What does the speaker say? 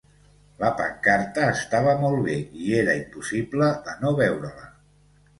La pancarta estava molt bé i era impossible de no veure-la.